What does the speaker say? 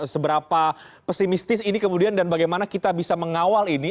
seberapa pesimistis ini kemudian dan bagaimana kita bisa mengawal ini